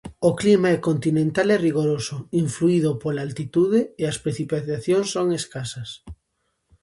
O clima é continental e rigoroso, influído pola altitude, e as precipitacións son escasas.